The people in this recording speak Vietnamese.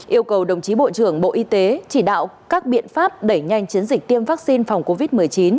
yêu cầu đồng chí bộ trưởng bộ y tế chỉ đạo các biện pháp đẩy nhanh chiến dịch tiêm vaccine phòng covid một mươi chín